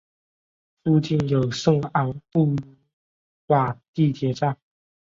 附近有圣昂布鲁瓦地铁站。